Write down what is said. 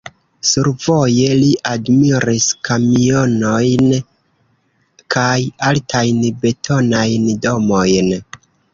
Survoje li admiris kamionojn kaj altajn betonajn domojn.